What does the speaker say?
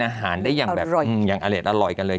อาหารได้อย่างอร่อยกันเลย